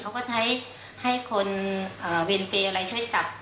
เขาก็ให้คนเวรเฟย์ช่วยจัด